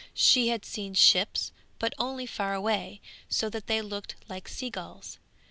She had seen ships, but only far away, so that they looked like sea gulls.